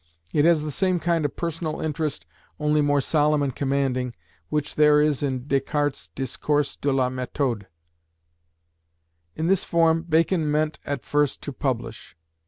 It has the same kind of personal interest, only more solemn and commanding, which there is in Descartes's Discours de la Méthode. In this form Bacon meant at first to publish.